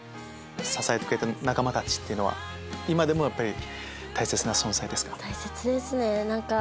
支えてくれた仲間たちっていうのは今でも大切な存在ですか？